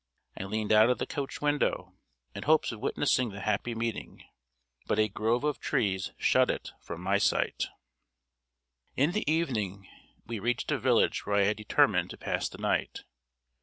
I leaned out of the coach window, in hopes of witnessing the happy meeting, but a grove of trees shut it from my sight. In the evening we reached a village where I had determined to pass the night.